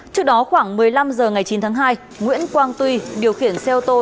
trước đó khoảng một mươi năm h ngày chín tháng hai nguyễn quang tuy điều khiển xe ô tô